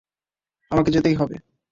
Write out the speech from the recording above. আমাকে যেতেই হবে।